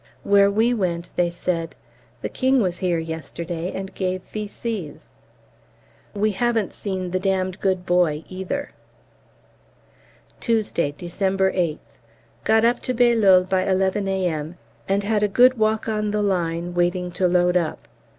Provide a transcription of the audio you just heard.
Where we went, they said, "The King was here yesterday and gave V.C.'s." We haven't seen the "d d good boy" either. Tuesday, December 8th. Got up to Bailleul by 11 A.M., and had a good walk on the line waiting to load up.